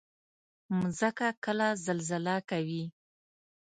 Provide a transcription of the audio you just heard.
مځکه کله زلزله کوي.